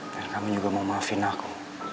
dan kamu juga mau maafin aku